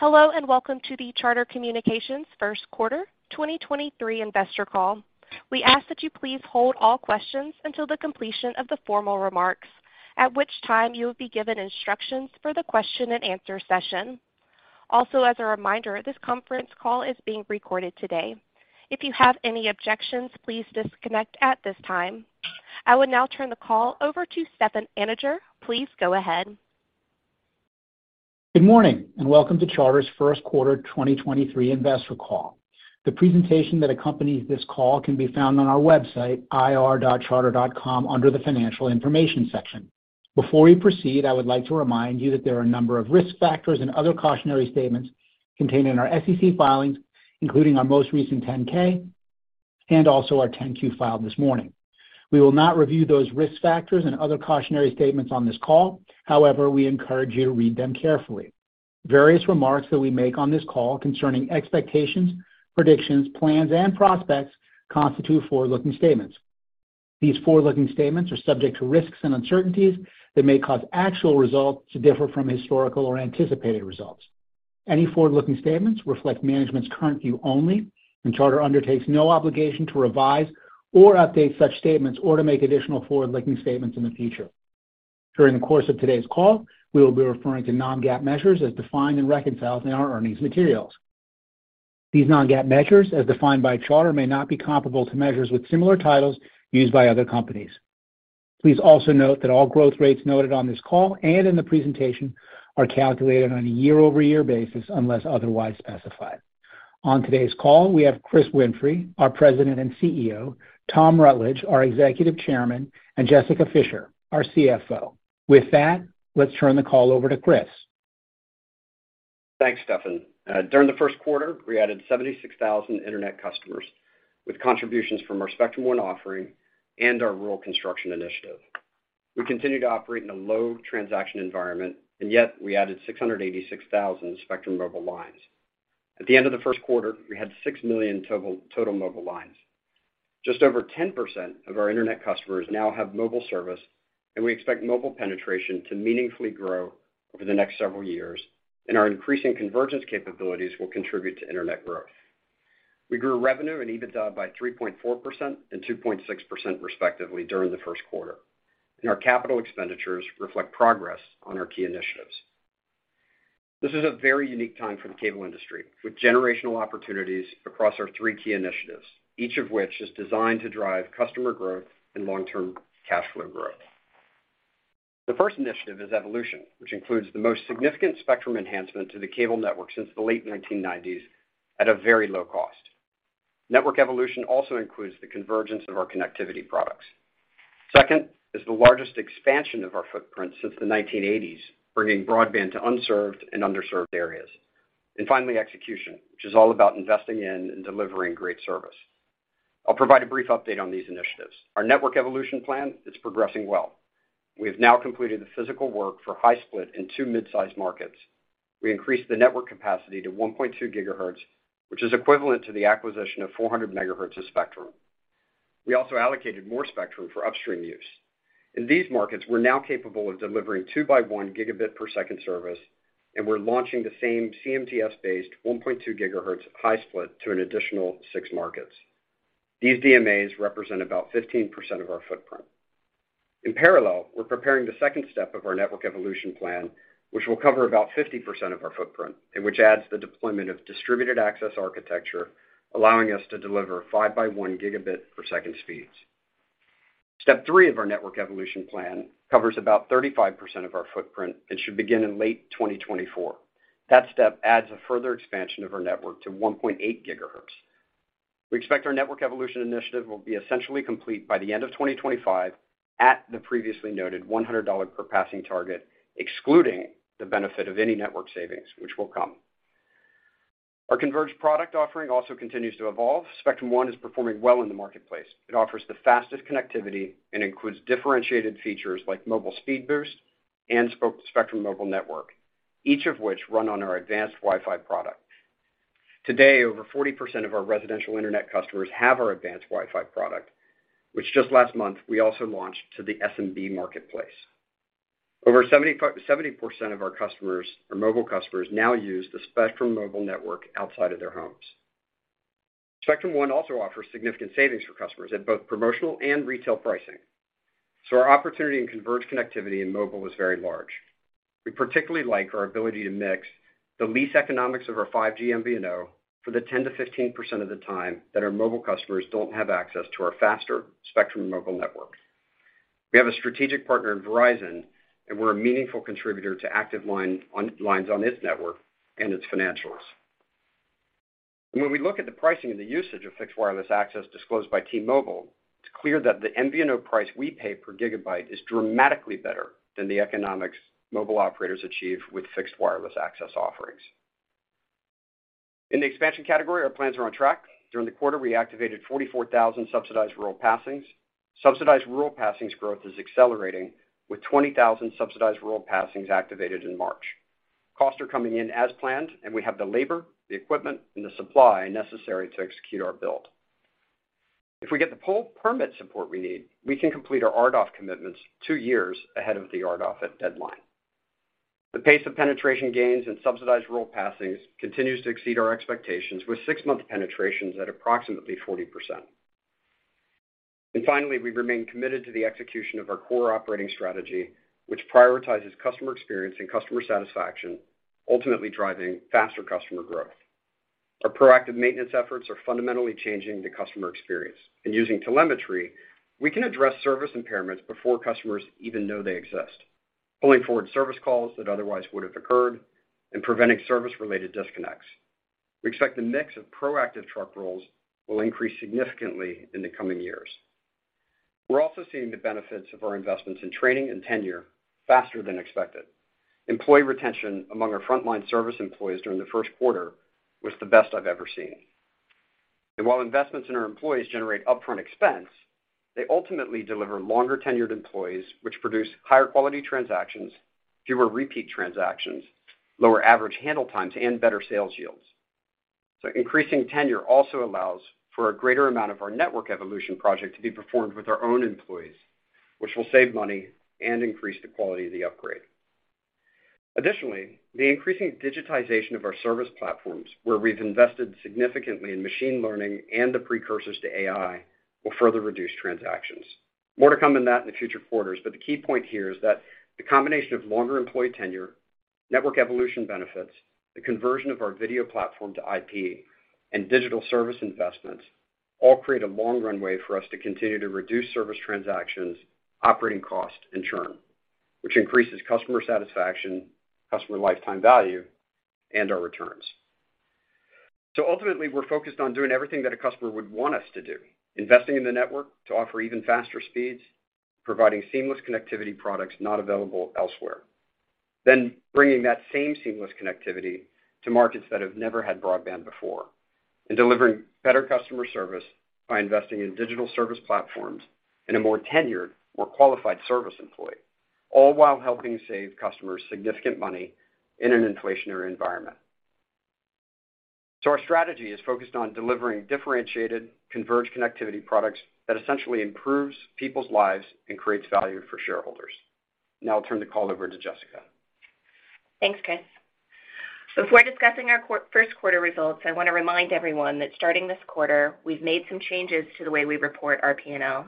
Hello, welcome to the Charter Communications first quarter 2023 investor call. We ask that you please hold all questions until the completion of the formal remarks, at which time you will be given instructions for the question and answer session. As a reminder, this conference call is being recorded today. If you have any objections, please disconnect at this time. I would now turn the call over to Stefan Anninger. Please go ahead. Good morning, and welcome to Charter's first quarter 2023 investor call. The presentation that accompanies this call can be found on our website, ir.charter.com, under the Financial Information section. Before we proceed, I would like to remind you that there are a number of risk factors and other cautionary statements contained in our SEC filings, including our most recent 10-K and also our 10-Q filed this morning. We will not review those risk factors and other cautionary statements on this call. However, we encourage you to read them carefully. Various remarks that we make on this call concerning expectations, predictions, plans, and prospects constitute forward-looking statements. These forward-looking statements are subject to risks and uncertainties that may cause actual results to differ from historical or anticipated results. Any forward-looking statements reflect management's current view only, and Charter undertakes no obligation to revise or update such statements or to make additional forward-looking statements in the future. During the course of today's call, we will be referring to non-GAAP measures as defined and reconciled in our earnings materials. These non-GAAP measures, as defined by Charter, may not be comparable to measures with similar titles used by other companies. Please also note that all growth rates noted on this call and in the presentation are calculated on a year-over-year basis unless otherwise specified. On today's call, we have Chris Winfrey, our President and CEO, Tom Rutledge, our Executive Chairman, and Jessica Fischer, our CFO. With that, let's turn the call over to Chris. Thanks, Stefan. During the first quarter, we added 76,000 internet customers with contributions from our Spectrum One offering and our rural construction initiative. We continue to operate in a low transaction environment, yet we added 686,000 Spectrum Mobile lines. At the end of the first quarter, we had 6 million total mobile lines. Just over 10% of our internet customers now have mobile service, and we expect mobile penetration to meaningfully grow over the next several years. Our increasing convergence capabilities will contribute to internet growth. We grew revenue and EBITDA by 3.4% and 2.6%, respectively, during the first quarter, and our capital expenditures reflect progress on our key initiatives. This is a very unique time for the cable industry, with generational opportunities across our three key initiatives, each of which is designed to drive customer growth and long-term cash flow growth. The first initiative is evolution, which includes the most significant spectrum enhancement to the cable network since the late 1990s at a very low cost. Network evolution also includes the convergence of our connectivity products. Second is the largest expansion of our footprint since the 1980s, bringing broadband to unserved and underserved areas. Finally, execution, which is all about investing in and delivering great service. I'll provide a brief update on these initiatives. Our network evolution plan is progressing well. We have now completed the physical work for high split in two mid-sized markets. We increased the network capacity to 1.2 gigahertz, which is equivalent to the acquisition of 400 megahertz of spectrum. We also allocated more spectrum for upstream use. In these markets, we're now capable of delivering two by one gigabit per second service. We're launching the same CMTS-based 1.2 gigahertz high split to an additional six markets. These DMAs represent about 15% of our footprint. In parallel, we're preparing the second step of our network evolution plan, which will cover about 50% of our footprint and which adds the deployment of distributed access architecture, allowing us to deliver five by one gigabit per second speeds. Step three of our network evolution plan covers about 35% of our footprint and should begin in late 2024. That step adds a further expansion of our network to 1.8 gigahertz. We expect our network evolution initiative will be essentially complete by the end of 2025 at the previously noted $100 per passing target, excluding the benefit of any network savings which will come. Our converged product offering also continues to evolve. Spectrum One is performing well in the marketplace. It offers the fastest connectivity and includes differentiated features like Mobile Speed Boost and Spectrum Mobile Network, each of which run on our advanced Wi-Fi product. Today, over 40% of our residential internet customers have our advanced Wi-Fi product, which just last month we also launched to the SMB marketplace. Over 70% of our customers or mobile customers now use the Spectrum Mobile Network outside of their homes. Spectrum One also offers significant savings for customers at both promotional and retail pricing. Our opportunity in converged connectivity in mobile is very large. We particularly like our ability to mix the lease economics of our 5G MVNO for the 10%-15% of the time that our mobile customers don't have access to our faster Spectrum Mobile Network. We have a strategic partner in Verizon, and we're a meaningful contributor to active lines on its network and its financials. When we look at the pricing and the usage of fixed wireless access disclosed by T-Mobile, it's clear that the MVNO price we pay per gigabyte is dramatically better than the economics mobile operators achieve with fixed wireless access offerings. In the expansion category, our plans are on track. During the quarter, we activated 44,000 subsidized rural passings. Subsidized rural passings growth is accelerating, with 20,000 subsidized rural passings activated in March. Costs are coming in as planned. We have the labor, the equipment, and the supply necessary to execute our build. If we get the full permit support we need, we can complete our RDOF commitments two years ahead of the RDOF deadline. The pace of penetration gains and subsidized rural passings continues to exceed our expectations, with six-month penetrations at approximately 40%. Finally, we remain committed to the execution of our core operating strategy, which prioritizes customer experience and customer satisfaction, ultimately driving faster customer growth. Our proactive maintenance efforts are fundamentally changing the customer experience. Using telemetry, we can address service impairments before customers even know they exist, pulling forward service calls that otherwise would have occurred and preventing service-related disconnects. We expect the mix of proactive truck rolls will increase significantly in the coming years. We're also seeing the benefits of our investments in training and tenure faster than expected. Employee retention among our frontline service employees during the first quarter was the best I've ever seen. While investments in our employees generate upfront expense, they ultimately deliver longer-tenured employees, which produce higher quality transactions, fewer repeat transactions, lower average handle times, and better sales yields. Increasing tenure also allows for a greater amount of our network evolution project to be performed with our own employees, which will save money and increase the quality of the upgrade. Additionally, the increasing digitization of our service platforms, where we've invested significantly in machine learning and the precursors to AI, will further reduce transactions. More to come on that in the future quarters. The key point here is that the combination of longer employee tenure, network evolution benefits, the conversion of our video platform to IP, and digital service investments all create a long runway for us to continue to reduce service transactions, operating costs, and churn, which increases customer satisfaction, customer lifetime value, and our returns. Ultimately, we're focused on doing everything that a customer would want us to do, investing in the network to offer even faster speeds, providing seamless connectivity products not available elsewhere. Bringing that same seamless connectivity to markets that have never had broadband before, and delivering better customer service by investing in digital service platforms and a more tenured, more qualified service employee, all while helping save customers significant money in an inflationary environment. Our strategy is focused on delivering differentiated, converged connectivity products that essentially improves people's lives and creates value for shareholders. I'll turn the call over to Jessica. Thanks, Chris. Before discussing our first quarter results, I want to remind everyone that starting this quarter, we've made some changes to the way we report our P&L.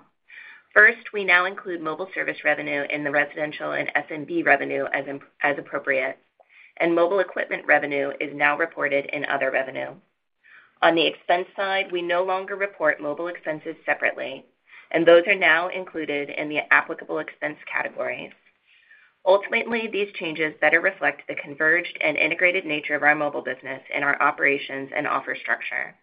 First, we now include mobile service revenue in the residential and SMB revenue as appropriate, and mobile equipment revenue is now reported in other revenue. On the expense side, we no longer report mobile expenses separately, and those are now included in the applicable expense categories. Ultimately, these changes better reflect the converged and integrated nature of our mobile business and our operations and offer structure.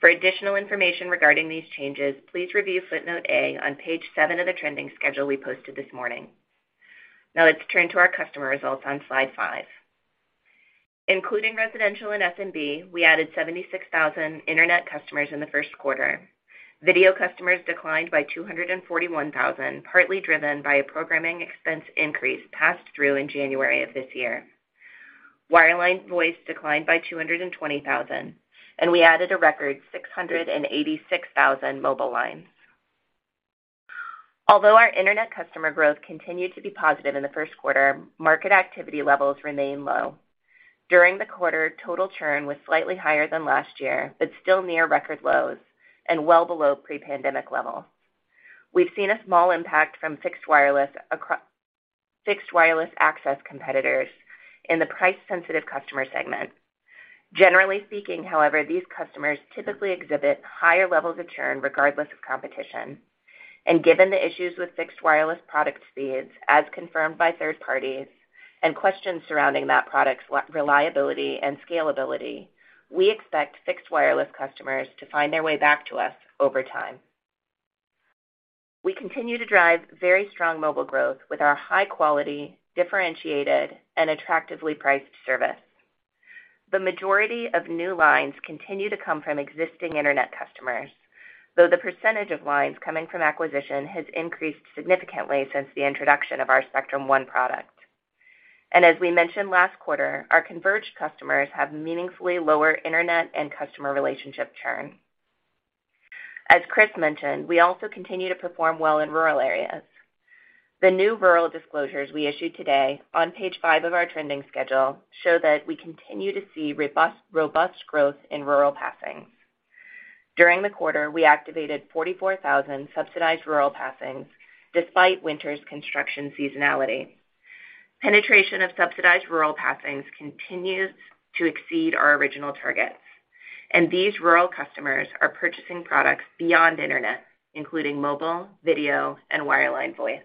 For additional information regarding these changes, please review footnote A on page seven of the trending schedule we posted this morning. Now let's turn to our customer results on slide five. Including residential and SMB, we added 76,000 internet customers in the first quarter. Video customers declined by 241,000, partly driven by a programming expense increase passed through in January of this year. Wireline voice declined by 220,000. We added a record 686,000 mobile lines. Our internet customer growth continued to be positive in the first quarter, market activity levels remain low. During the quarter, total churn was slightly higher than last year, still near record lows and well below pre-pandemic levels. We've seen a small impact from fixed wireless access competitors in the price-sensitive customer segment. Generally speaking, however, these customers typically exhibit higher levels of churn regardless of competition. Given the issues with fixed wireless product speeds, as confirmed by third parties, and questions surrounding that product's reliability and scalability, we expect fixed wireless customers to find their way back to us over time. We continue to drive very strong mobile growth with our high-quality, differentiated, and attractively priced service. The majority of new lines continue to come from existing internet customers, though the percentage of lines coming from acquisition has increased significantly since the introduction of our Spectrum One product. As we mentioned last quarter, our converged customers have meaningfully lower internet and customer relationship churn. As Chris mentioned, we also continue to perform well in rural areas. The new rural disclosures we issued today on page five of our trending schedule show that we continue to see robust growth in rural passings. During the quarter, we activated 44,000 subsidized rural passings despite winter's construction seasonality. Penetration of subsidized rural passings continues to exceed our original targets, and these rural customers are purchasing products beyond internet, including mobile, video, and wireline voice.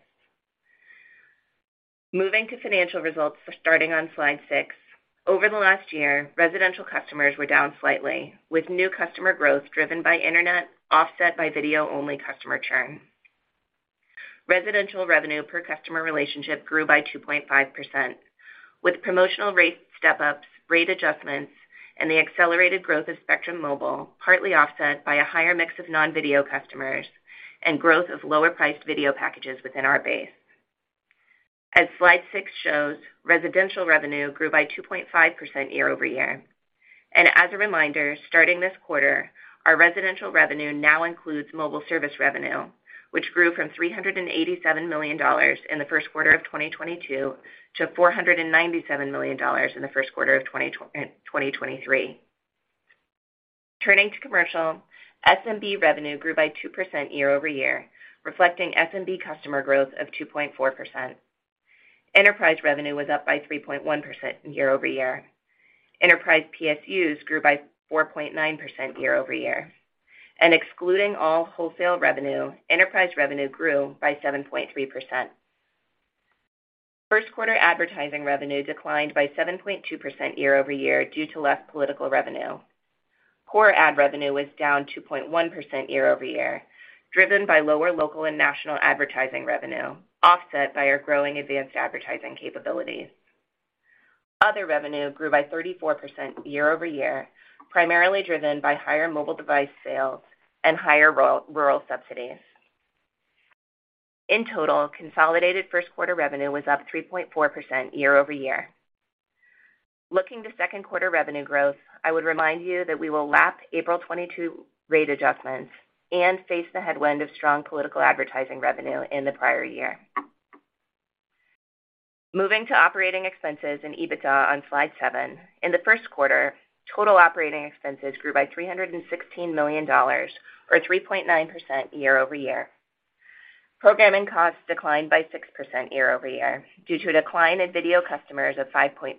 Moving to financial results for starting on slide six. Over the last year, residential customers were down slightly, with new customer growth driven by internet offset by video-only customer churn. Residential revenue per customer relationship grew by 2.5%, with promotional rate step-ups, rate adjustments, and the accelerated growth of Spectrum Mobile, partly offset by a higher mix of non-video customers and growth of lower-priced video packages within our base. As slidesix shows, residential revenue grew by 2.5% year-over-year. As a reminder, starting this quarter, our residential revenue now includes mobile service revenue, which grew from $387 million in the first quarter of 2022 to $497 million in the first quarter of 2023. Turning to commercial, SMB revenue grew by 2% year-over-year, reflecting SMB customer growth of 2.4%. Enterprise revenue was up by 3.1% year-over-year. Enterprise PSUs grew by 4.9% year-over-year. Excluding all wholesale revenue, enterprise revenue grew by 7.3%. First quarter advertising revenue declined by 7.2% year-over-year due to less political revenue. Core ad revenue was down 2.1% year-over-year, driven by lower local and national advertising revenue, offset by our growing advanced advertising capabilities. Other revenue grew by 34% year-over-year, primarily driven by higher mobile device sales and higher rural subsidies. In total, consolidated first quarter revenue was up 3.4% year-over-year. Looking to second quarter revenue growth, I would remind you that we will lap April 2022 rate adjustments and face the headwind of strong political advertising revenue in the prior year. Moving to operating expenses and EBITDA on slide seven. In the first quarter, total operating expenses grew by $316 million or 3.9% year-over-year. Programming costs declined by 6% year-over-year due to a decline in video customers of 5.2%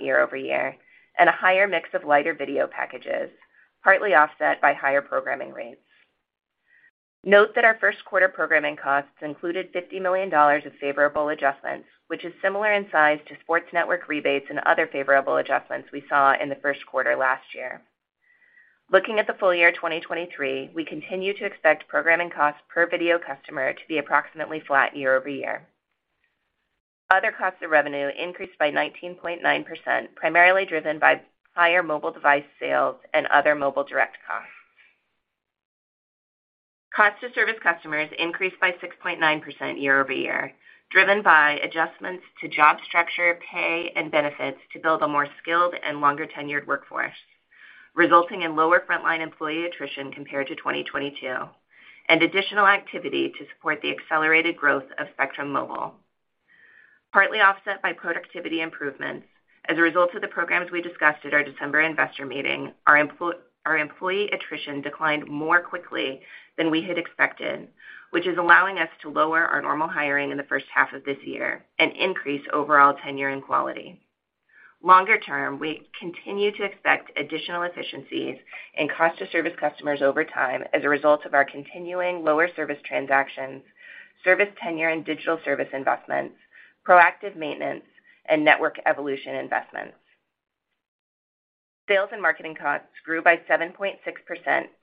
year-over-year and a higher mix of lighter video packages, partly offset by higher programming rates. Note that our first quarter programming costs included $50 million of favorable adjustments, which is similar in size to sports network rebates and other favorable adjustments we saw in the first quarter last year. Looking at the full year 2023, we continue to expect programming costs per video customer to be approximately flat year-over-year. Other costs of revenue increased by 19.9%, primarily driven by higher mobile device sales and other mobile direct costs. Costs to service customers increased by 6.9% year-over-year, driven by adjustments to job structure, pay, and benefits to build a more skilled and longer-tenured workforce, resulting in lower frontline employee attrition compared to 2022 and additional activity to support the accelerated growth of Spectrum Mobile. Partly offset by productivity improvements as a result of the programs we discussed at our December investor meeting, our employee attrition declined more quickly than we had expected, which is allowing us to lower our normal hiring in the first half of this year and increase overall tenure and quality. Longer term, we continue to expect additional efficiencies in cost to service customers over time as a result of our continuing lower service transactions, service tenure and digital service investments, proactive maintenance, and network evolution investments. Sales and marketing costs grew by 7.6%,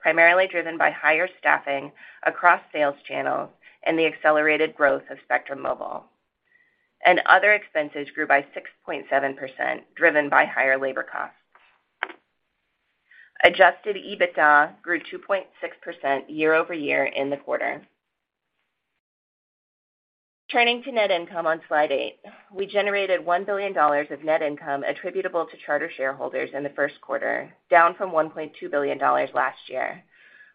primarily driven by higher staffing across sales channels and the accelerated growth of Spectrum Mobile. Other expenses grew by 6.7%, driven by higher labor costs. Adjusted EBITDA grew 2.6% year-over-year in the quarter. Turning to net income on slide eight. We generated $1 billion of net income attributable to Charter shareholders in the first quarter, down from $1.2 billion last year,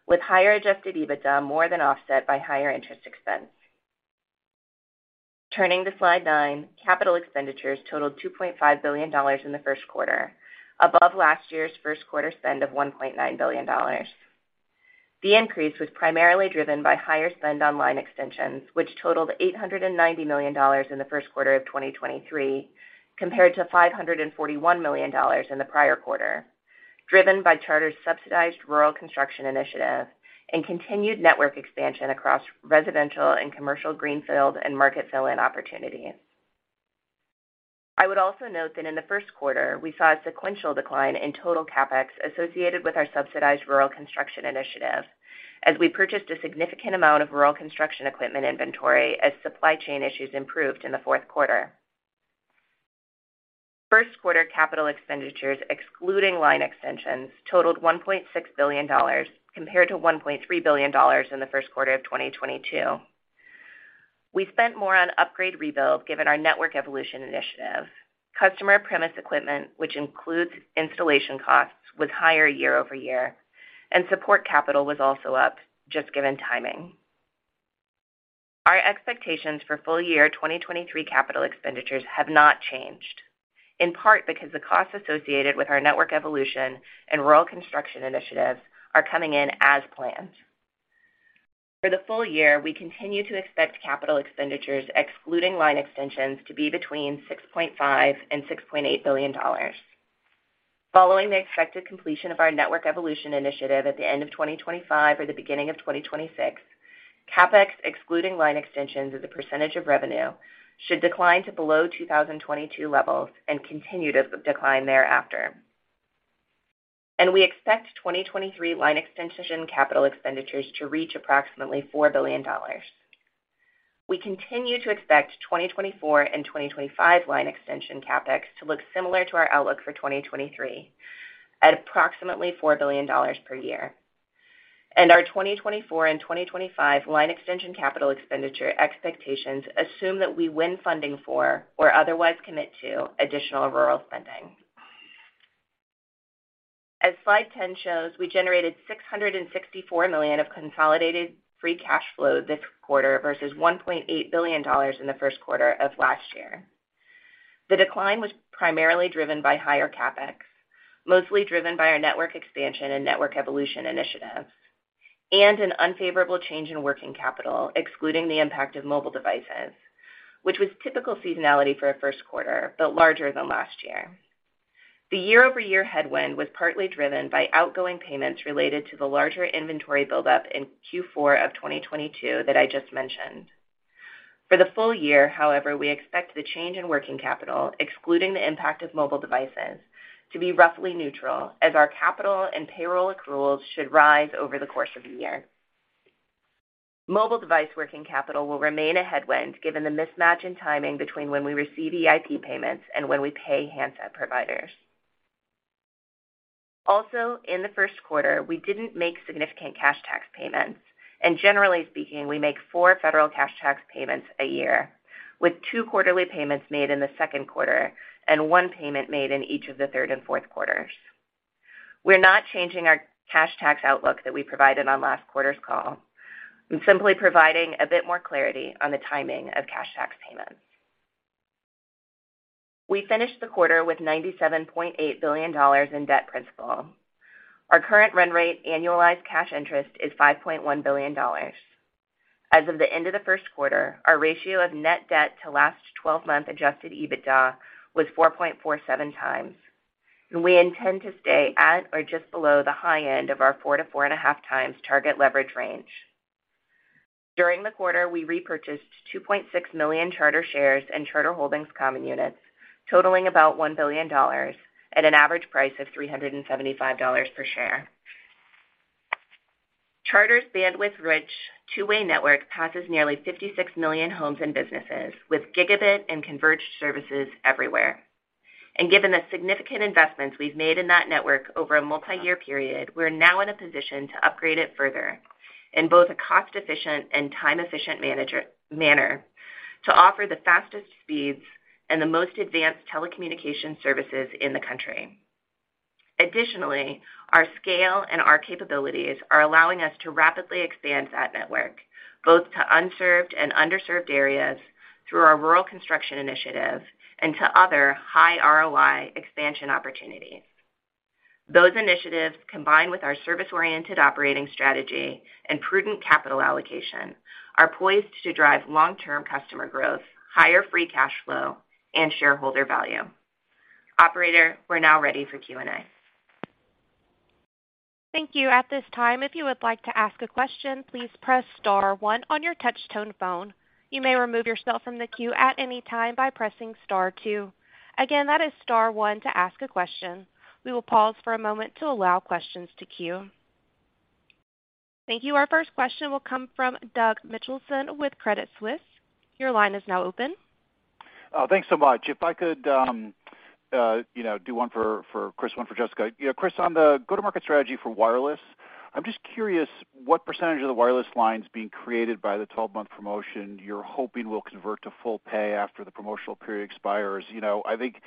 with higher Adjusted EBITDA more than offset by higher interest expense. Turning to slide nine, capital expenditures totaled $2.5 billion in the first quarter, above last year's first quarter spend of $1.9 billion. The increase was primarily driven by higher spend on line extensions, which totaled $890 million in the first quarter of 2023 compared to $541 million in the prior quarter, driven by Charter's subsidized Rural Construction initiative and continued network expansion across residential and commercial greenfield and market fill-in opportunities. I would also note that in the first quarter, we saw a sequential decline in total CapEx associated with our subsidized Rural Construction initiative as we purchased a significant amount of Rural Construction equipment inventory as supply chain issues improved in the fourth quarter. First quarter capital expenditures, excluding line extensions, totaled $1.6 billion compared to $1.3 billion in the first quarter of 2022. We spent more on upgrade rebuild given our Network Evolution Initiative. Customer premise equipment, which includes installation costs, was higher year-over-year. Support capital was also up just given timing. Our expectations for full year 2023 capital expenditures have not changed, in part because the costs associated with our Network Evolution and Rural Construction initiatives are coming in as planned. For the full year, we continue to expect capital expenditures excluding line extensions to be between $6.5 billion and $6.8 billion. Following the expected completion of our network evolution initiative at the end of 2025 or the beginning of 2026, CapEx excluding line extensions as a percentage of revenue should decline to below 2022 levels and continue to decline thereafter. We expect 2023 line extension capital expenditures to reach approximately $4 billion. We continue to expect 2024 and 2025 line extension CapEx to look similar to our outlook for 2023 at approximately $4 billion per year. Our 2024 and 2025 line extension capital expenditure expectations assume that we win funding for or otherwise commit to additional rural spending. As slide 10 shows, we generated $664 million of consolidated free cash flow this quarter versus $1.8 billion in the first quarter of last year. The decline was primarily driven by higher CapEx, mostly driven by our network expansion and network evolution initiatives, and an unfavorable change in working capital, excluding the impact of mobile devices, which was typical seasonality for a first quarter, but larger than last year. The year-over-year headwind was partly driven by outgoing payments related to the larger inventory buildup in Q4 of 2022 that I just mentioned. For the full year, however, we expect the change in working capital, excluding the impact of mobile devices, to be roughly neutral as our capital and payroll accruals should rise over the course of the year. Mobile device working capital will remain a headwind given the mismatch in timing between when we receive EIP payments and when we pay handset providers. Also, in the first quarter, we didn't make significant cash tax payments, and generally speaking, we make four federal cash tax payments a year, with two quarterly payments made in the second quarter and one payment made in each of the third and fourth quarters. We're not changing our cash tax outlook that we provided on last quarter's call. I'm simply providing a bit more clarity on the timing of cash tax payments. We finished the quarter with $97.8 billion in debt principal. Our current run rate annualized cash interest is $5.1 billion. As of the end of the first quarter, our ratio of net debt to last twelve month Adjusted EBITDA was 4.47 times. We intend to stay at or just below the high end of our 4 times to 4.5 times target leverage range. During the quarter, we repurchased 2.6 million Charter shares and Charter Holdings common units totaling about $1 billion at an average price of $375 per share. Charter's bandwidth-rich two-way network passes nearly 56 million homes and businesses with gigabit and converged services everywhere. Given the significant investments we've made in that network over a multiyear period, we're now in a position to upgrade it further in both a cost efficient and time efficient manner to offer the fastest speeds and the most advanced telecommunication services in the country. Additionally, our scale and our capabilities are allowing us to rapidly expand that network, both to unserved and underserved areas through our rural construction initiative and to other high ROI expansion opportunities. Those initiatives, combined with our service-oriented operating strategy and prudent capital allocation, are poised to drive long-term customer growth, higher free cash flow, and shareholder value. Operator, we're now ready for Q&A. Thank you. At this time, if you would like to ask a question, please press star one on your touch tone phone. You may remove yourself from the queue at any time by pressing star two. Again, that is star one to ask a question. We will pause for a moment to allow questions to queue. Thank you. Our first question will come from Doug Mitchelson with Credit Suisse. Your line is now open. Thanks so much. If I could, you know, do one for Chris, one for Jessica. You know, Chris, on the go-to-market strategy for wireless, I'm just curious what % of the wireless lines being created by the 12-month promotion you're hoping will convert to full pay after the promotional period expires? You know, I think,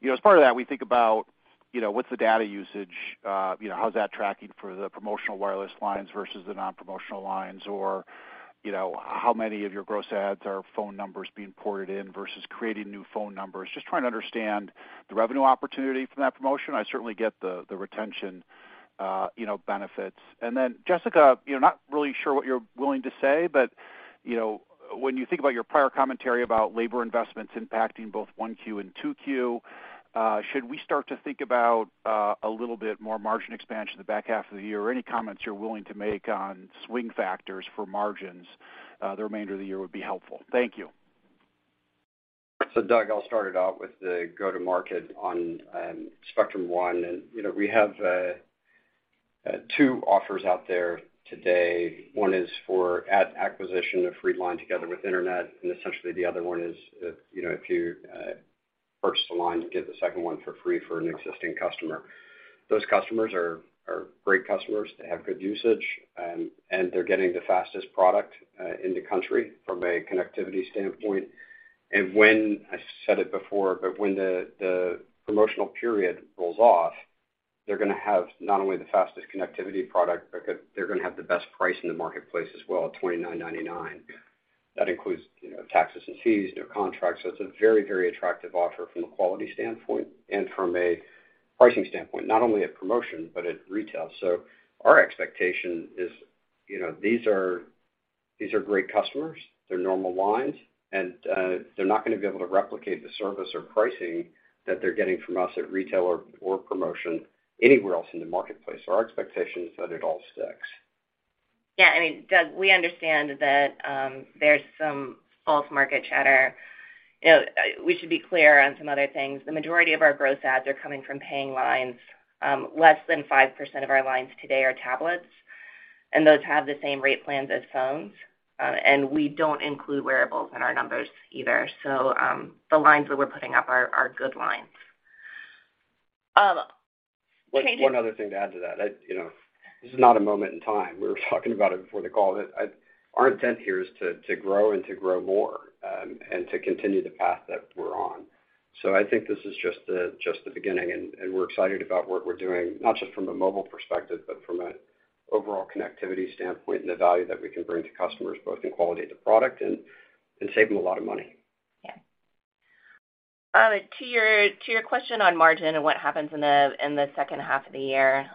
you know, as part of that, we think about, you know, what's the data usage, you know, how's that tracking for the promotional wireless lines versus the non-promotional lines? You know, how many of your gross adds are phone numbers being ported in versus creating new phone numbers? Just trying to understand the revenue opportunity from that promotion. I certainly get the retention, you know, benefits. Jessica, you know, not really sure what you're willing to say, but, you know, when you think about your prior commentary about labor investments impacting both 1Q and 2Q, should we start to think about a little bit more margin expansion in the back half of the year? Any comments you're willing to make on swing factors for margins, the remainder of the year would be helpful. Thank you. Doug, I'll start it out with the go to market on Spectrum One. You know, we have two offers out there today. One is for ad acquisition of free line together with Internet, and essentially the other one is, you know, if you purchase a line, you get the second one for free for an existing customer. Those customers are great customers. They have good usage, and they're getting the fastest product in the country from a connectivity standpoint. I said it before, but when the promotional period rolls off, they're gonna have not only the fastest connectivity product, but they're gonna have the best price in the marketplace as well at $29.99. That includes, you know, taxes and fees, no contracts. It's a very, very attractive offer from a quality standpoint and from a pricing standpoint, not only at promotion, but at retail. Our expectation is, you know, these are great customers. They're normal lines, and they're not gonna be able to replicate the service or pricing that they're getting from us at retail or promotion anywhere else in the marketplace. Our expectation is that it all sticks. I mean, Doug, we understand that there's some false market chatter. You know, we should be clear on some other things. The majority of our gross adds are coming from paying lines. Less than 5% of our lines today are tablets, and those have the same rate plans as phones. We don't include wearables in our numbers either. The lines that we're putting up are good lines. Katie- One other thing to add to that. You know, this is not a moment in time. We were talking about it before the call. Our intent here is to grow and to grow more and to continue the path that we're on. I think this is just the, just the beginning, and we're excited about what we're doing, not just from a mobile perspective, but from an overall connectivity standpoint and the value that we can bring to customers, both in quality of the product and saving a lot of money. Yeah. To your question on margin and what happens in the 2nd half of the year,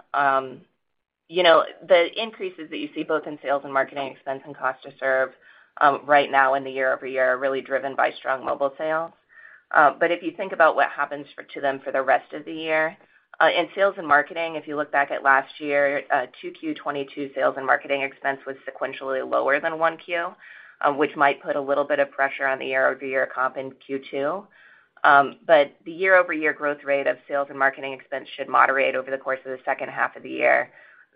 you know, the increases that you see both in sales and marketing expense and cost to serve, right now in the year-over-year are really driven by strong mobile sales. If you think about what happens to them for the rest of the year, in sales and marketing, if you look back at last year, 2Q 2022 sales and marketing expense was sequentially lower than 1Q, which might put a little bit of pressure on the year-over-year comp in Q2. The year-over-year growth rate of sales and marketing expense should moderate over the course of the 2nd half of the year.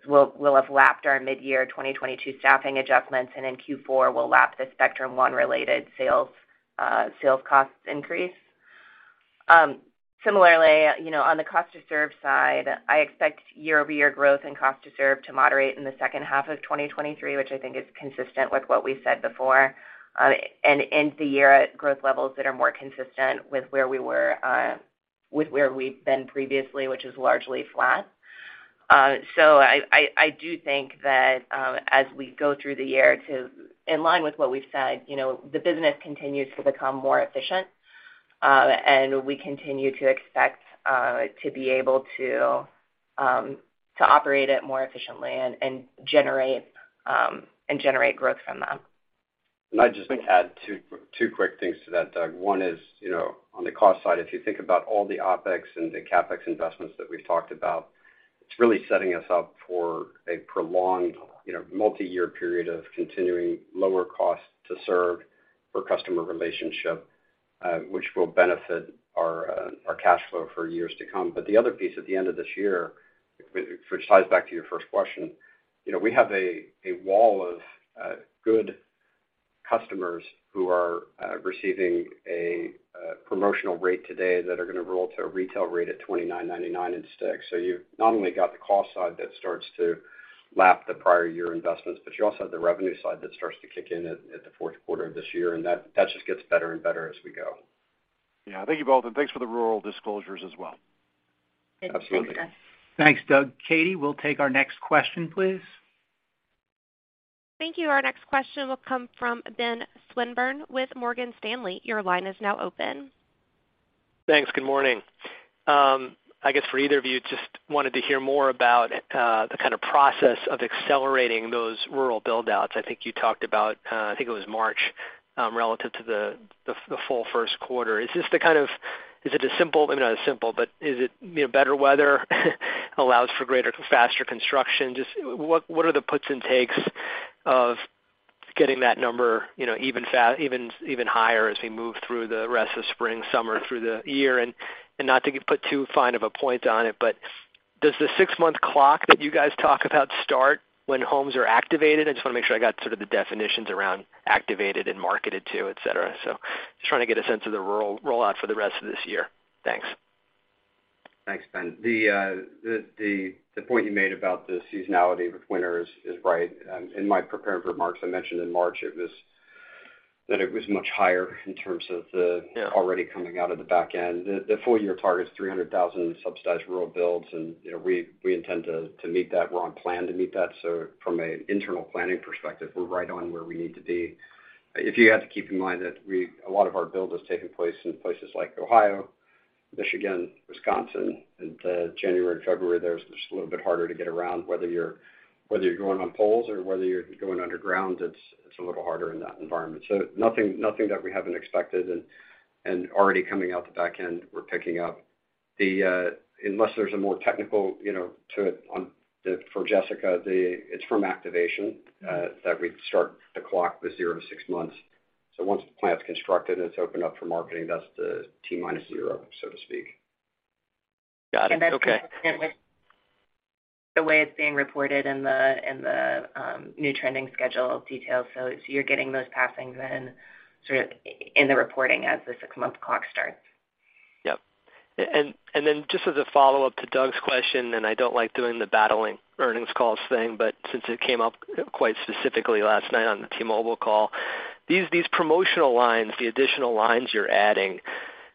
We'll have lapped our midyear 2022 staffing adjustments, and in Q4, we'll lap the Spectrum One related sales cost increase. Similarly, you know, on the cost to serve side, I expect year-over-year growth and cost to serve to moderate in the second half of 2023, which I think is consistent with what we said before, and end the year at growth levels that are more consistent with where we were, with where we've been previously, which is largely flat. I do think that as we go through the year in line with what we've said, you know, the business continues to become more efficient, and we continue to expect to be able to operate it more efficiently and generate growth from them. I'd just add two quick things to that, Doug. One is, you know, on the cost side, if you think about all the OpEx and the CapEx investments that we've talked about, it's really setting us up for a prolonged, you know, multiyear period of continuing lower cost to serve per customer relationship, which will benefit our cash flow for years to come. The other piece at the end of this year, which ties back to your first question, you know, we have a wall of good customers who are receiving a promotional rate today that are gonna roll to a retail rate at $29.99 in sticks. You've not only got the cost side that starts to lap the prior year investments, but you also have the revenue side that starts to kick in at the fourth quarter of this year, and that just gets better and better as we go. Yeah. Thank you both, and thanks for the rural disclosures as well. Thank you. Absolutely. Thanks, Doug. Thanks, Doug. Katie, we'll take our next question, please. Thank you. Our next question will come from Ben Swinburne with Morgan Stanley. Your line is now open. Thanks. Good morning. I guess for either of you, just wanted to hear more about the kind of process of accelerating those rural build-outs. I think you talked about, I think it was March, relative to the full first quarter. Is it, you know, better weather, allows for greater, faster construction? Just what are the puts and takes of getting that number, you know, even higher as we move through the rest of spring, summer through the year. Not to put too fine of a point on it, but does the six-month clock that you guys talk about start when homes are activated? I just wanna make sure I got sort of the definitions around activated and marketed to, et cetera. just trying to get a sense of the rollout for the rest of this year. Thanks. Thanks, Ben. The point you made about the seasonality with winter is right. In my prepared remarks, I mentioned in March that it was much higher in terms of the. Yeah... already coming out of the back end. The full year target is 300,000 subsidized rural builds, and, you know, we intend to meet that. We're on plan to meet that. From an internal planning perspective, we're right on where we need to be. If you had to keep in mind that a lot of our build is taking place in places like Ohio, Michigan, Wisconsin. January and February there, it's just a little bit harder to get around, whether you're going on poles or whether you're going underground, it's a little harder in that environment. Nothing that we haven't expected and already coming out the back end, we're picking up. Unless there's a more technical, you know, to it for Jessica, it's from activation that we start the clock with zero to six months. Once the plant's constructed and it's opened up for marketing, that's the T-minus zero, so to speak. Got it. Okay. That's consistent with the way it's being reported in the new trending schedule details. As you're getting those passings, then sort of in the reporting as the six-month clock starts. Yep. Just as a follow-up to Doug's question, and I don't like doing the battling earnings calls thing, but since it came up quite specifically last night on the T-Mobile call, these promotional lines, the additional lines you're adding,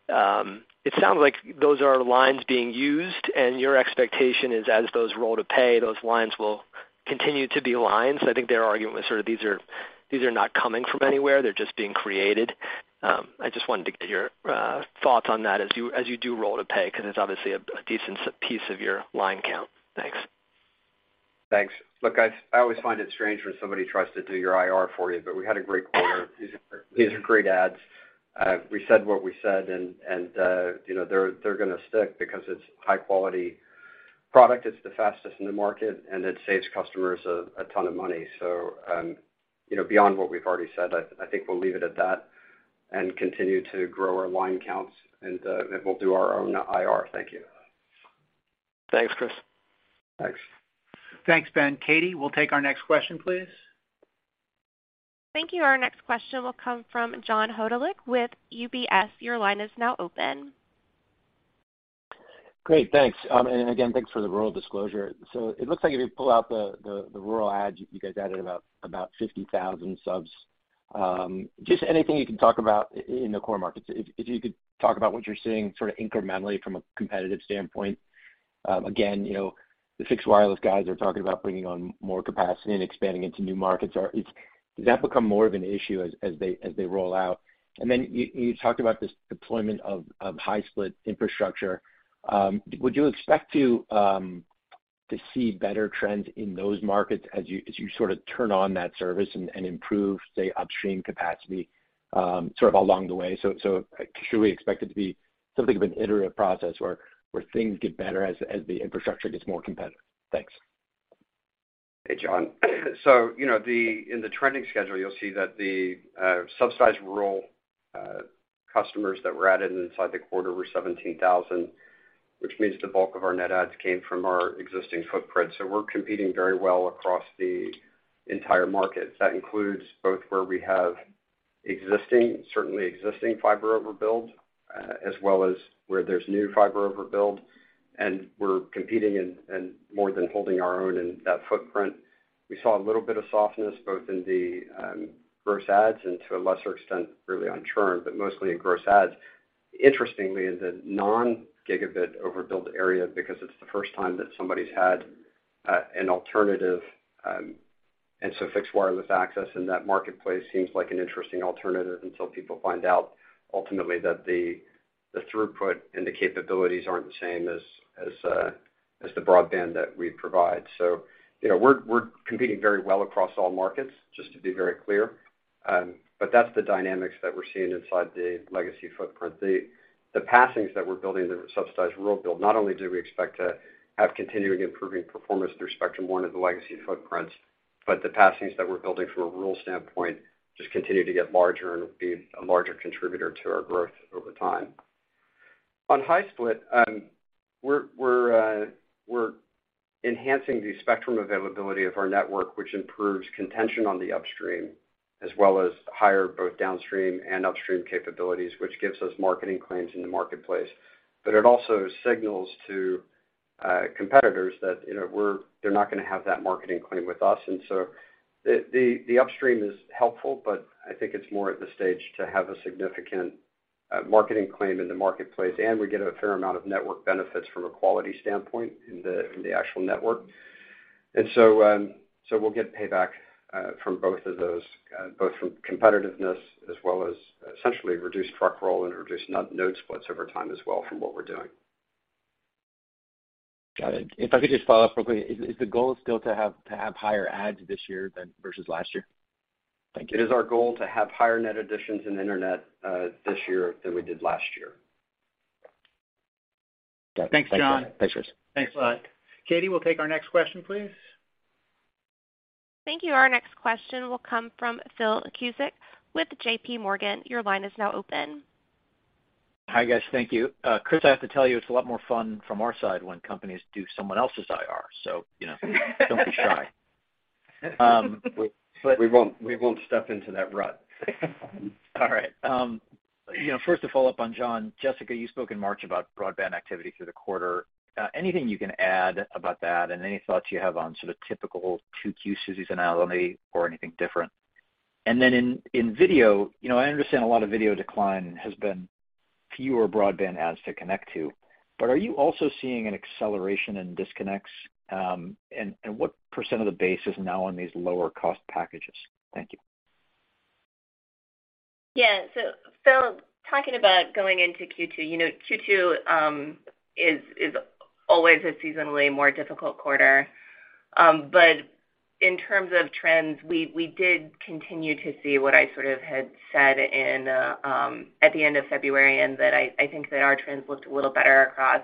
it sounds like those are lines being used, and your expectation is as those roll to pay, those lines will continue to be lines. I think their argument was sort of these are not coming from anywhere. They're just being created. I just wanted to get your thoughts on that as you do roll to pay, because it's obviously a decent piece of your line count. Thanks. Thanks. Look, I always find it strange when somebody tries to do your IR for you. We had a great quarter. These are great ads. We said what we said, and, you know, they're gonna stick because it's high quality product. It's the fastest in the market, and it saves customers a ton of money. You know, beyond what we've already said, I think we'll leave it at that and continue to grow our line counts, and we'll do our own IR. Thank you. Thanks, Chris. Thanks. Thanks, Ben. Katie, we'll take our next question, please. Thank you. Our next question will come from John Hodulik with UBS. Your line is now open. Great, thanks. Again, thanks for the rural disclosure. It looks like if you pull out the rural ads, you guys added about 50,000 subs. Just anything you can talk about in the core markets. If you could talk about what you're seeing sort of incrementally from a competitive standpoint. Again, you know, the fixed wireless guys are talking about bringing on more capacity and expanding into new markets. Does that become more of an issue as they roll out? Then you talked about this deployment of high split infrastructure. Would you expect to see better trends in those markets as you sort of turn on that service and improve, say, upstream capacity, sort of along the way? Should we expect it to be something of an iterative process where things get better as the infrastructure gets more competitive? Thanks. Hey, John. You know, in the trending schedule, you'll see that the subsidized rural customers that were added inside the quarter were 17,000, which means the bulk of our net adds came from our existing footprint. We're competing very well across the entire market. That includes both where we have existing, certainly existing fiber overbuild, as well as where there's new fiber overbuild, and we're competing and more than holding our own in that footprint. We saw a little bit of softness both in the gross adds and to a lesser extent really on churn, but mostly in gross adds. Interestingly, in the non-gigabit overbuild area because it's the first time that somebody's had an alternative. Fixed wireless access in that marketplace seems like an interesting alternative until people find out ultimately that the throughput and the capabilities aren't the same as the broadband that we provide. You know, we're competing very well across all markets, just to be very clear. That's the dynamics that we're seeing inside the legacy footprint. The, the passings that we're building, the subsidized rural build, not only do we expect to have continuing improving performance through Spectrum One and the legacy footprints, but the passings that we're building from a rural standpoint just continue to get larger and be a larger contributor to our growth over time. On high split, we're enhancing the spectrum availability of our network, which improves contention on the upstream as well as higher both downstream and upstream capabilities, which gives us marketing claims in the marketplace. It also signals to competitors that, you know, they're not gonna have that marketing claim with us. The upstream is helpful, but I think it's more at the stage to have a significant marketing claim in the marketplace, and we get a fair amount of network benefits from a quality standpoint in the actual network. We'll get payback from both of those, both from competitiveness as well as essentially reduced truck roll and reduced no-node splits over time as well from what we're doing. Got it. If I could just follow up real quick. Is the goal still to have higher adds this year than versus last year? Thank you. It is our goal to have higher net additions in internet this year than we did last year. Got it. Thanks, John. Thanks, Chris. Thanks a lot. Katie, we'll take our next question, please. Thank you. Our next question will come from Phil Cusick with J.P. Morgan. Your line is now open. Hi, guys. Thank you. Chris, I have to tell you, it's a lot more fun from our side when companies do someone else's IR, you know, don't be shy. We won't step into that rut. All right. You know, first to follow up on John. Jessica, you spoke in March about broadband activity through the quarter. Anything you can add about that and any thoughts you have on sort of typical 2Q seasonality or anything different? In video, you know, I understand a lot of video decline has been fewer broadband adds to connect to, but are you also seeing an acceleration in disconnects? What % of the base is now on these lower cost packages? Thank you. Yeah. Phil, talking about going into Q2, you know, Q2 is always a seasonally more difficult quarter. In terms of trends, we did continue to see what I sort of had said in at the end of February, and that I think that our trends looked a little better across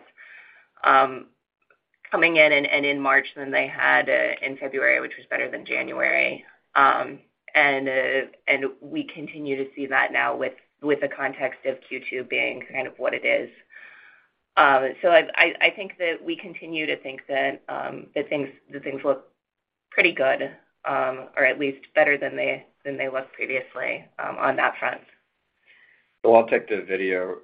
coming in and in March than they had in February, which was better than January. We continue to see that now with the context of Q2 being kind of what it is. I think that we continue to think that that things look pretty good, or at least better than they looked previously on that front. Well, I'll take the video.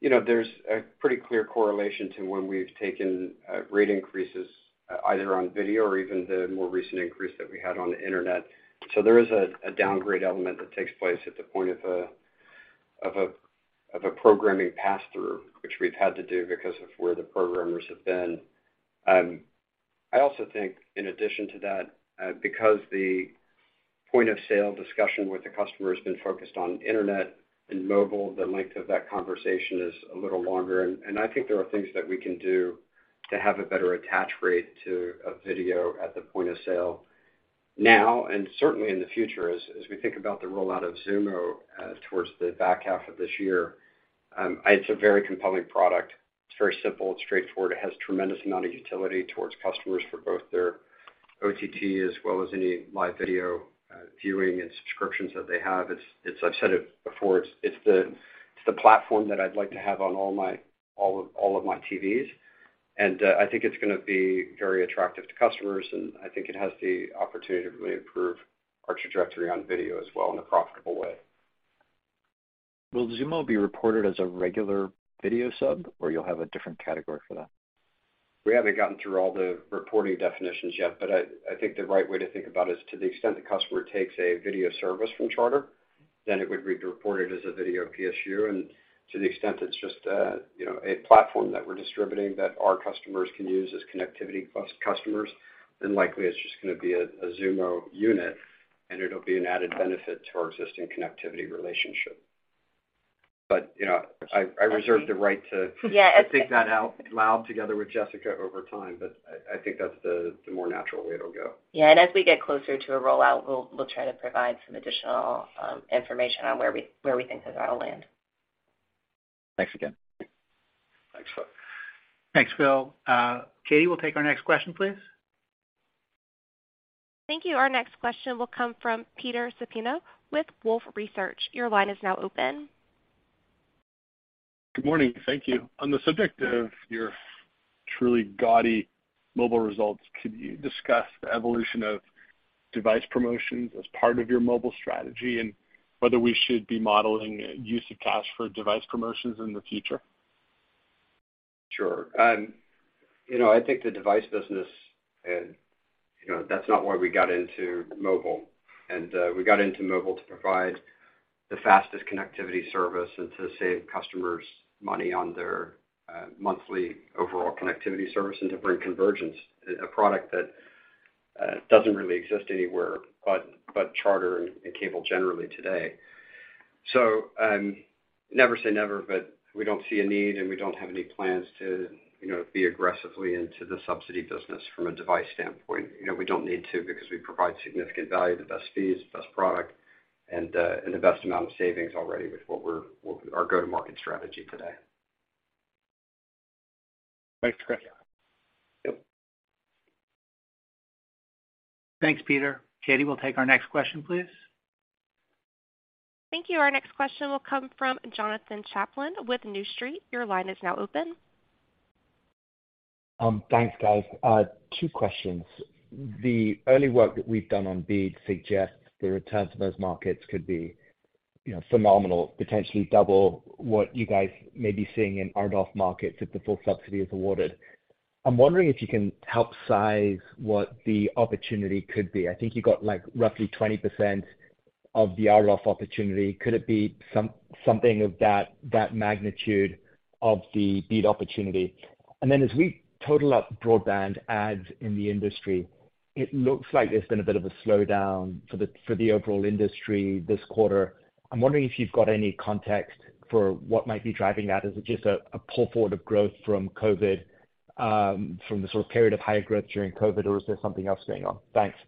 you know, there's a pretty clear correlation to when we've taken rate increases either on video or even the more recent increase that we had on the Internet. There is a downgrade element that takes place at the point of a programming pass-through, which we've had to do because of where the programmers have been. I also think in addition to that, because the point of sale discussion with the customer has been focused on Internet and Mobile, the length of that conversation is a little longer. I think there are things that we can do to have a better attach rate to video at the point of sale now and certainly in the future as we think about the rollout of Xumo towards the back half of this year. It's a very compelling product. It's very simple. It's straightforward. It has tremendous amount of utility towards customers for both their OTT as well as any live video, viewing and subscriptions that they have. It's, I've said it before, it's the platform that I'd like to have on all of my TVs. I think it's gonna be very attractive to customers, and I think it has the opportunity to really improve our trajectory on video as well in a profitable way. Will Xumo be reported as a regular video sub, or you'll have a different category for that? We haven't gotten through all the reporting definitions yet, but I think the right way to think about it is to the extent the customer takes a video service from Charter, then it would be reported as a video PSU. To the extent it's just, you know, a platform that we're distributing that our customers can use as connectivity plus customers, then likely it's just gonna be a Xumo unit, and it'll be an added benefit to our existing connectivity relationship. You know, I reserve the right. Yeah. to think that out loud together with Jessica over time, but I think that's the more natural way it'll go. Yeah, and as we get closer to a rollout, we'll try to provide some additional information on where we think those will land. Thanks again. Thanks, Phil. Thanks, Phil. Katie, we'll take our next question, please. Thank you. Our next question will come from Peter Supino with Wolfe Research. Your line is now open. Good morning. Thank you. On the subject of your truly gaudy mobile results, could you discuss the evolution of device promotions as part of your mobile strategy and whether we should be modeling use of cash for device promotions in the future? Sure. You know, I think the device business and, you know, that's not why we got into mobile. We got into mobile to provide the fastest connectivity service and to save customers money on their monthly overall connectivity service and to bring convergence a product that doesn't really exist anywhere but Charter and cable generally today. Never say never, but we don't see a need, and we don't have any plans to, you know, be aggressively into the subsidy business from a device standpoint. You know, we don't need to because we provide significant value, the best fees, the best product, and the best amount of savings already with what our go-to-market strategy today. Thanks, Chris. Yep. Thanks, Peter. Katie, we'll take our next question, please. Thank you. Our next question will come from Jonathan Chaplin with New Street. Your line is now open. Thanks, guys. Two questions. The early work that we've done on BEAD suggests the return to those markets could be, you know, phenomenal, potentially double what you guys may be seeing in RDOF markets if the full subsidy is awarded. I'm wondering if you can help size what the opportunity could be. I think you got, like, roughly 20% of the RDOF opportunity. Could it be something of that magnitude of the BEAD opportunity? As we total up broadband adds in the industry, it looks like there's been a bit of a slowdown for the overall industry this quarter. I'm wondering if you've got any context for what might be driving that. Is it just a pull forward of growth from COVID, from the sort of period of higher growth during COVID, or is there something else going on? Thanks.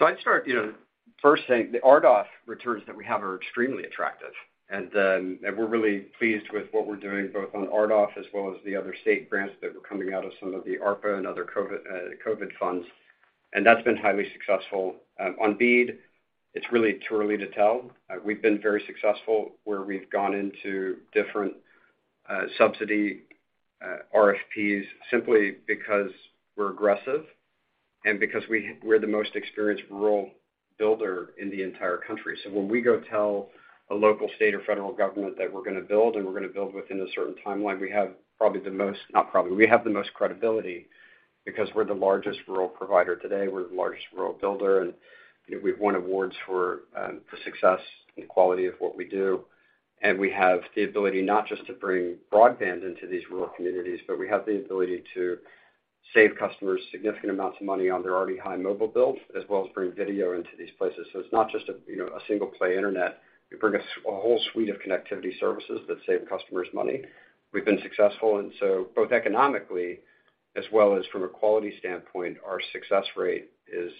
I'd start, you know, first saying the RDOF returns that we have are extremely attractive, and we're really pleased with what we're doing both on RDOF as well as the other state grants that were coming out of some of the ARPA and other COVID funds, and that's been highly successful. On BEAD, it's really too early to tell. We've been very successful where we've gone into different subsidy RFPs simply because we're aggressive and because we're the most experienced rural builder in the entire country. When we go tell a local, state, or federal government that we're gonna build and we're gonna build within a certain timeline, we have probably the most-- not probably, we have the most credibility because we're the largest rural provider today, we're the largest rural builder, and, you know, we've won awards for success and quality of what we do. We have the ability not just to bring broadband into these rural communities, but we have the ability to save customers significant amounts of money on their already high mobile bills, as well as bring video into these places. It's not just a, you know, a single play internet. We bring a whole suite of connectivity services that save customers money. We've been successful. Both economically as well as from a quality standpoint, our success rate is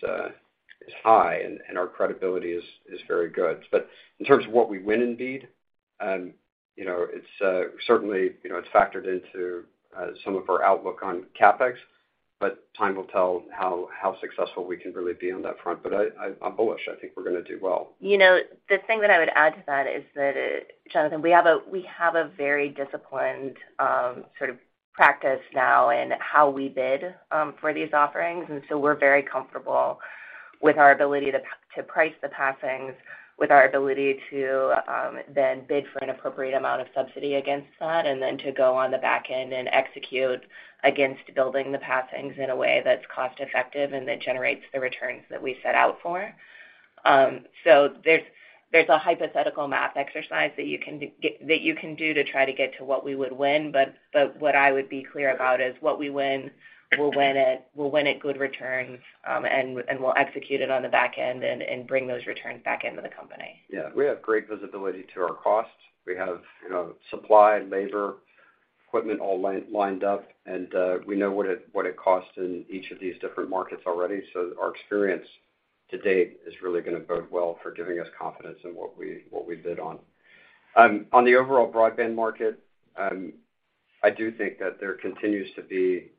high and our credibility is very good. In terms of what we win in BEAD, you know, it's certainly, you know, it's factored into some of our outlook on CapEx, but time will tell how successful we can really be on that front. I'm bullish. I think we're gonna do well. You know, the thing that I would add to that is that, Jonathan, we have a very disciplined, sort of practice now in how we bid for these offerings. We're very comfortable with our ability to price the passings, with our ability to then bid for an appropriate amount of subsidy against that, and then to go on the back end and execute against building the passings in a way that's cost effective and that generates the returns that we set out for. There's a hypothetical math exercise that you can do to try to get to what we would win, but what I would be clear about is what we win, we'll win it, we'll win at good returns, and we'll execute it on the back end and bring those returns back into the company. Yeah. We have great visibility to our costs. We have, you know, supply, labor, equipment all lined up, we know what it costs in each of these different markets already. Our experience to date is really gonna bode well for giving us confidence in what we bid on. On the overall broadband market, I do think that there continues to be,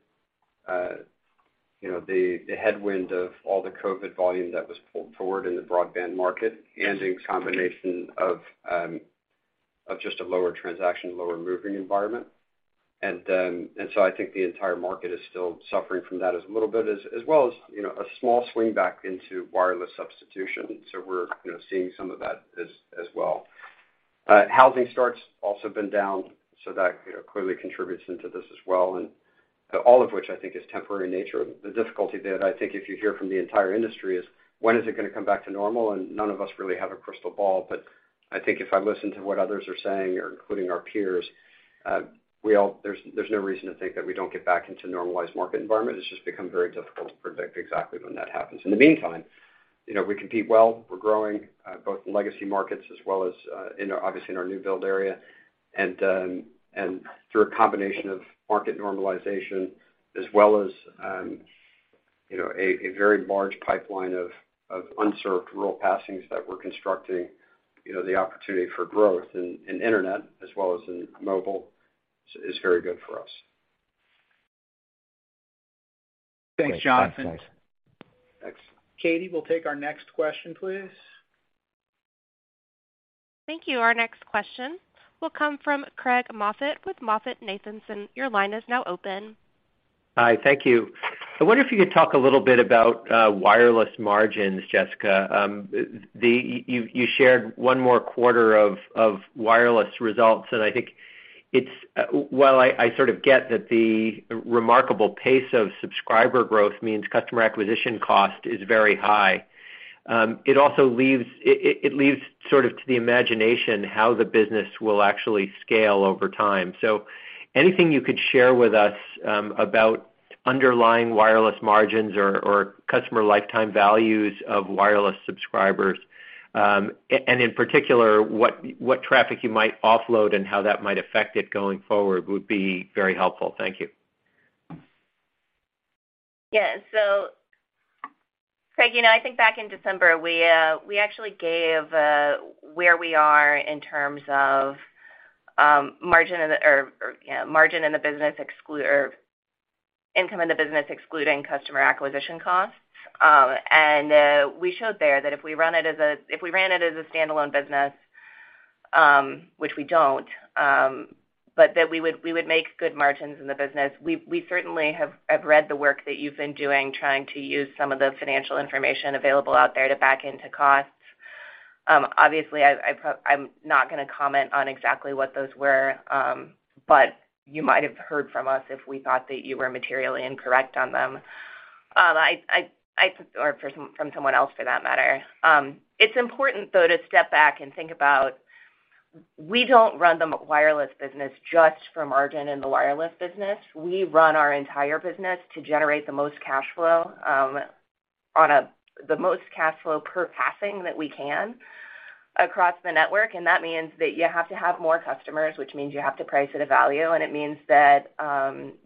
You know, the headwind of all the COVID volume that was pulled forward in the broadband market and in combination of just a lower transaction, lower moving environment. I think the entire market is still suffering from that as a little bit, as well as, you know, a small swing back into wireless substitution. We're, you know, seeing some of that as well. Housing starts also been down, so that, you know, clearly contributes into this as well. All of which I think is temporary in nature. The difficulty that I think if you hear from the entire industry is when is it gonna come back to normal? None of us really have a crystal ball. I think if I listen to what others are saying, including our peers, there's no reason to think that we don't get back into normalized market environment. It's just become very difficult to predict exactly when that happens. In the meantime, you know, we compete well. We're growing, both in legacy markets as well as, obviously in our new build area. Through a combination of market normalization as well as, you know, a very large pipeline of unserved rural passings that we're constructing, you know, the opportunity for growth in internet as well as in mobile is very good for us. Thanks, John. Thanks. Katie, we'll take our next question, please. Thank you. Our next question will come from Craig Moffett with MoffettNathanson. Your line is now open. Hi, thank you. I wonder if you could talk a little bit about wireless margins, Jessica. You shared one more quarter of wireless results, and I think while I sort of get that the remarkable pace of subscriber growth means customer acquisition cost is very high, it also leaves sort of to the imagination how the business will actually scale over time. Anything you could share with us about underlying wireless margins or customer lifetime values of wireless subscribers and in particular, what traffic you might offload and how that might affect it going forward would be very helpful. Thank you. Craig, you know, I think back in December, we actually gave where we are in terms of margin in the business or income in the business, excluding customer acquisition costs. We showed there that if we ran it as a standalone business, which we don't, but that we would make good margins in the business. We certainly have read the work that you've been doing, trying to use some of the financial information available out there to back into costs. I'm not gonna comment on exactly what those were, but you might have heard from us if we thought that you were materially incorrect on them. Or from someone else for that matter. It's important though to step back and think about we don't run the wireless business just for margin in the wireless business. We run our entire business to generate the most cash flow, the most cash flow per passing that we can across the network. That means that you have to have more customers, which means you have to price at a value, and it means that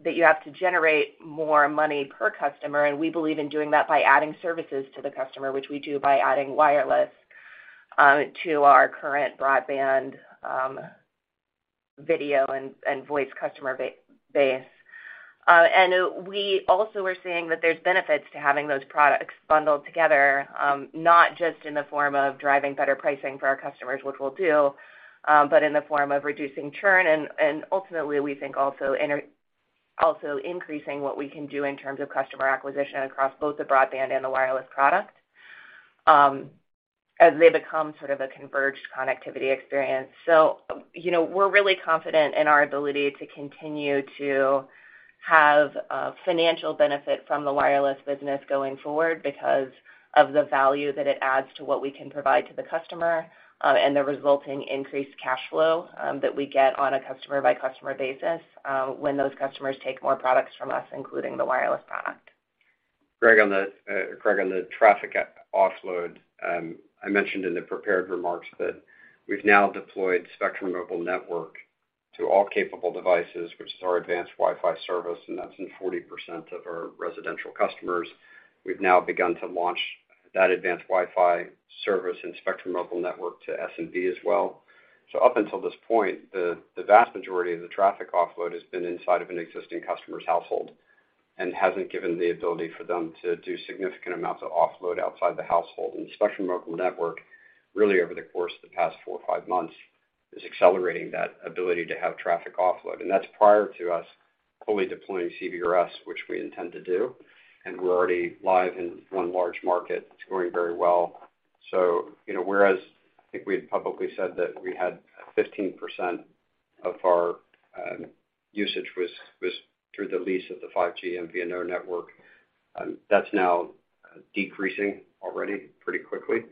you have to generate more money per customer. We believe in doing that by adding services to the customer, which we do by adding wireless to our current broadband, video and voice customer base. We also are seeing that there's benefits to having those products bundled together, not just in the form of driving better pricing for our customers, which we'll do, but in the form of reducing churn. Ultimately, we think also increasing what we can do in terms of customer acquisition across both the broadband and the wireless products, as they become sort of a converged connectivity experience. You know, we're really confident in our ability to continue to have financial benefit from the wireless business going forward because of the value that it adds to what we can provide to the customer, and the resulting increased cash flow that we get on a customer-by-customer basis when those customers take more products from us, including the wireless product. Craig, on the traffic offload, I mentioned in the prepared remarks that we've now deployed Spectrum Mobile Network to all capable devices, which is our advanced Wi-Fi service, and that's in 40% of our residential customers. We've now begun to launch that advanced Wi-Fi service and Spectrum Mobile Network to SMB as well. Up until this point, the vast majority of the traffic offload has been inside of an existing customer's household and hasn't given the ability for them to do significant amounts of offload outside the household. Spectrum Mobile Network, really over the course of the past four or five months, is accelerating that ability to have traffic offload. That's prior to us fully deploying CBRS, which we intend to do. We're already live in one large market. It's going very well. you know, whereas I think we had publicly said that we had 15% of our usage was through the lease of the 5G MVNO network, that's now decreasing already pretty quickly.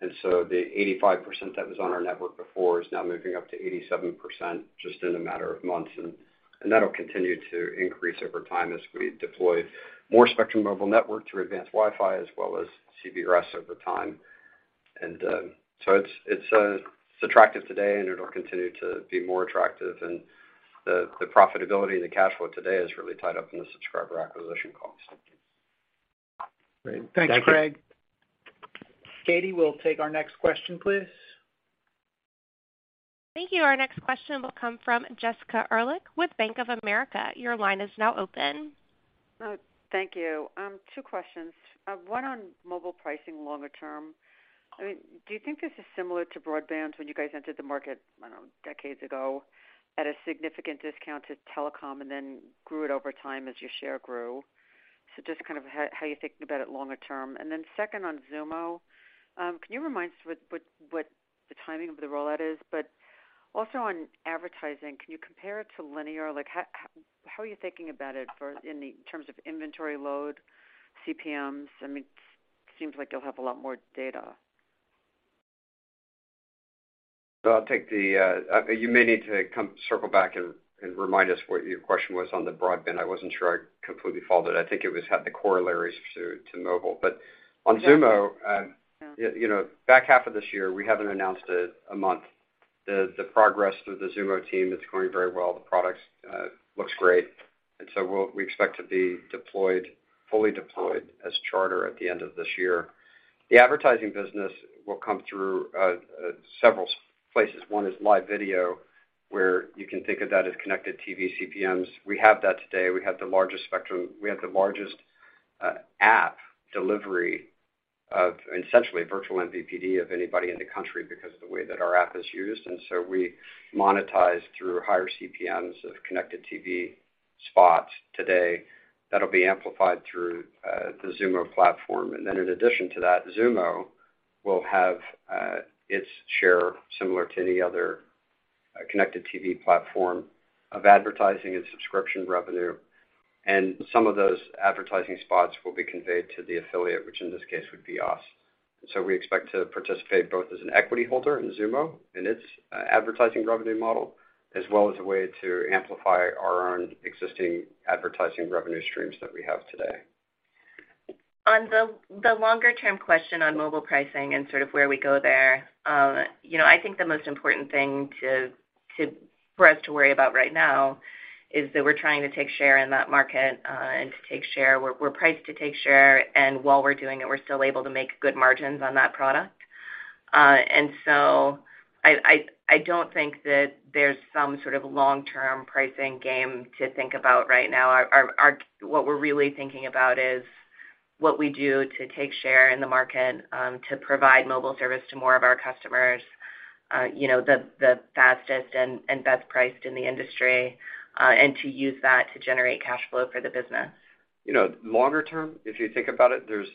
the 85% that was on our network before is now moving up to 87% just in a matter of months. that'll continue to increase over time as we deploy more Spectrum Mobile Network through advanced Wi-Fi as well as CBRS over time. so it's attractive today, and it'll continue to be more attractive. the profitability and the cash flow today is really tied up in the subscriber acquisition costs. Great. Thanks, Craig. Katie, we'll take our next question, please. Thank you. Our next question will come from Jessica Ehrlich with Bank of America. Your line is now open. Thank you. 2 questions. 1 on mobile pricing longer term. I mean, do you think this is similar to broadband when you guys entered the market, I don't know, decades ago, at a significant discount to telecom and then grew it over time as your share grew? Just kind of how you're thinking about it longer term. Then second on Xumo, can you remind us what the timing of the rollout is? Also on advertising, can you compare it to linear? Like how are you thinking about it in the terms of inventory load, CPMs? I mean, seems like you'll have a lot more data. I'll take the. You may need to come circle back and remind us what your question was on the broadband. I wasn't sure I completely followed it. I think it was at the corollaries to mobile. On Xumo, you know, back half of this year, we haven't announced it a month, the progress through the Xumo team is going very well. The products looks great. We expect to be deployed, fully deployed as Charter at the end of this year. The advertising business will come through several places. One is live video, where you can think of that as connected TV CPMs. We have that today. We have the largest spectrum. We have the largest app delivery of, essentially virtual MVPD of anybody in the country because of the way that our app is used. We monetize through higher CPMs of connected TV spots today that'll be amplified through the Xumo platform. In addition to that, Xumo will have its share similar to any other connected TV platform of advertising and subscription revenue, and some of those advertising spots will be conveyed to the affiliate, which in this case would be us. We expect to participate both as an equity holder in Xumo and its advertising revenue model, as well as a way to amplify our own existing advertising revenue streams that we have today. On the longer term question on mobile pricing and sort of where we go there, you know, I think the most important thing to for us to worry about right now is that we're trying to take share in that market, and to take share. We're priced to take share, and while we're doing it, we're still able to make good margins on that product. I don't think that there's some sort of long-term pricing game to think about right now. Our what we're really thinking about is what we do to take share in the market, to provide mobile service to more of our customers, you know, the fastest and best priced in the industry, and to use that to generate cash flow for the business. You know, longer term, if you think about it, there's,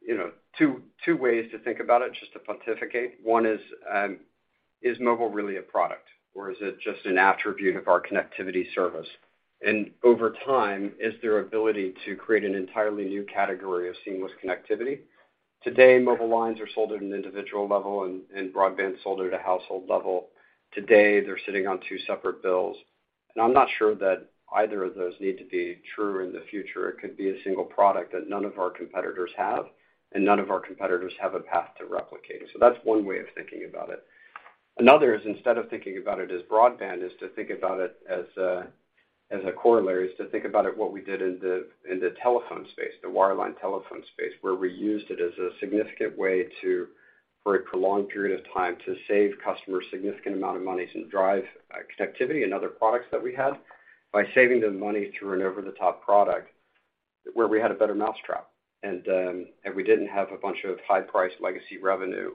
you know, two ways to think about it, just to pontificate. One is mobile really a product or is it just an attribute of our connectivity service? Over time, is there ability to create an entirely new category of seamless connectivity? Today, mobile lines are sold at an individual level and broadband sold at a household level. Today, they're sitting on two separate bills. I'm not sure that either of those need to be true in the future. It could be a single product that none of our competitors have and none of our competitors have a path to replicate. That's one way of thinking about it. Another is, instead of thinking about it as broadband, is to think about it as a, as a corollary, is to think about it what we did in the, in the telephone space, the wireline telephone space, where we used it as a significant way to, for a prolonged period of time, to save customers significant amount of money to drive connectivity and other products that we had by saving them money through an over-the-top product where we had a better mousetrap. We didn't have a bunch of high-priced legacy revenue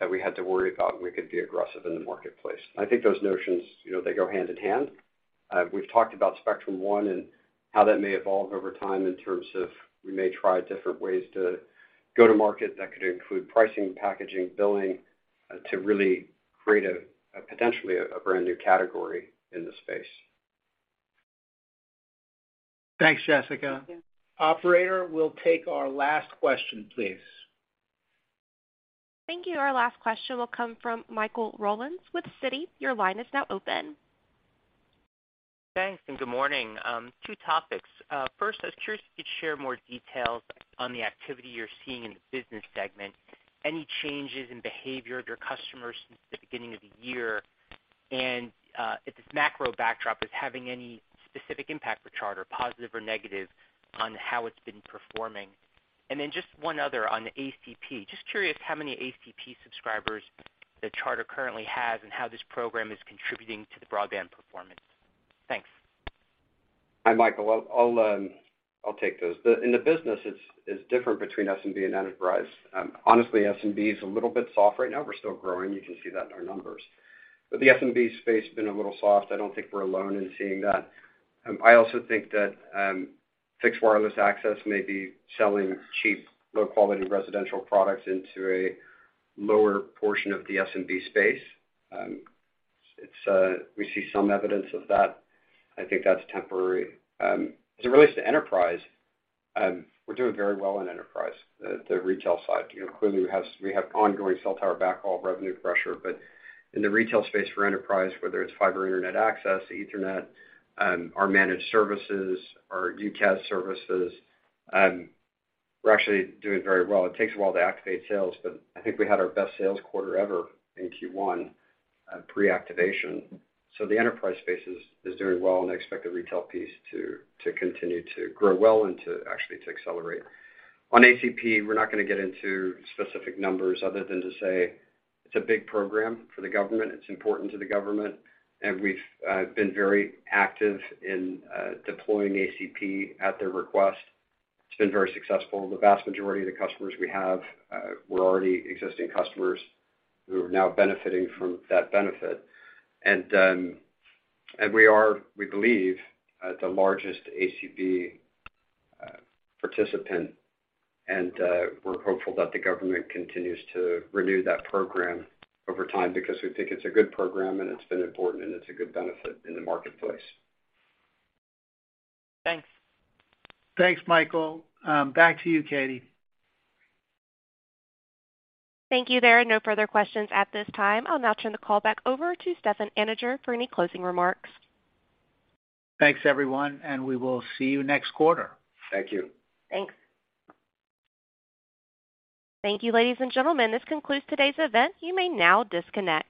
that we had to worry about, and we could be aggressive in the marketplace. I think those notions, you know, they go hand in hand. We've talked about Spectrum One and how that may evolve over time in terms of we may try different ways to go to market that could include pricing, packaging, billing, to really create a potentially a brand new category in the space. Thanks, Jessica. Thank you. Operator, we'll take our last question, please. Thank you. Our last question will come from Michael Rollins with Citi. Your line is now open. Thanks and good morning. Two topics. First, I was curious if you could share more details on the activity you're seeing in the business segment, any changes in behavior of your customers since the beginning of the year, if this macro backdrop is having any specific impact for Charter, positive or negative on how it's been performing. Just one other on ACP. Just curious how many ACP subscribers that Charter currently has and how this program is contributing to the broadband performance. Thanks. Hi, Michael. I'll take those. In the businesses, it's different between SMB and enterprise. Honestly, SMB is a little bit soft right now. We're still growing. You can see that in our numbers. The SMB space has been a little soft. I don't think we're alone in seeing that. I also think that fixed wireless access may be selling cheap, low quality residential products into a lower portion of the SMB space. It's, we see some evidence of that. I think that's temporary. As it relates to enterprise, we're doing very well in enterprise, the retail side. You know, clearly, we have ongoing cell tower backhaul revenue pressure. In the retail space for enterprise, whether it's fiber internet access, Ethernet, our managed services, our UCaaS services, we're actually doing very well. It takes a while to activate sales, I think we had our best sales quarter ever in Q1, pre-activation. The enterprise space is doing well, and I expect the retail piece to continue to grow well and to actually to accelerate. On ACP, we're not gonna get into specific numbers other than to say it's a big program for the government. It's important to the government, we've been very active in deploying ACP at their request. It's been very successful. The vast majority of the customers we have, were already existing customers who are now benefiting from that benefit. We are, we believe, the largest ACP participant, and we're hopeful that the government continues to renew that program over time because we think it's a good program and it's been important and it's a good benefit in the marketplace. Thanks. Thanks, Michael. Back to you, Katie. Thank you. There are no further questions at this time. I'll now turn the call back over to Stefan Anninger for any closing remarks. Thanks, everyone. We will see you next quarter. Thank you. Thanks. Thank you, ladies and gentlemen. This concludes today's event. You may now disconnect.